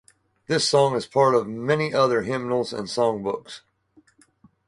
The song is part of many other hymnals and songbooks.